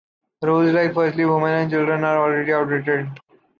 Rules like ‘‘firstly, women and children’’ are already outdated.